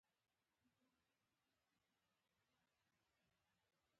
وایي چې منډه کړې، نو خپله کونه به بربنډه کړې.